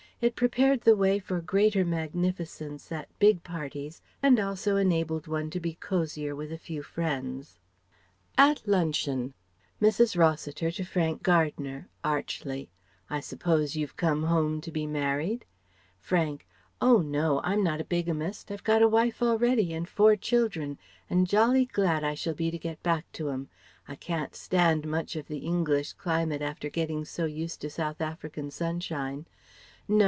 It prepared the way for greater magnificence at big parties and also enabled one to be cosier with a few friends. At luncheon: Mrs. Rossiter to Frank Gardner, archly: "I suppose you've come home to be married?" Frank: "Oh no! I'm not a bigamist, I've got a wife already and four children, and jolly glad I shall be to get back to 'em. I can't stand much of the English climate, after getting so used to South African sunshine. No.